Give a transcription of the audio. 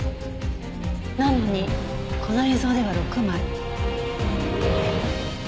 なのにこの映像では６枚。